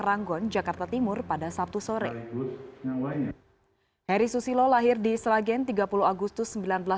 ranggon jakarta timur pada sabtu sore yang lainnya harry susilo lahir di sragen tiga puluh agustus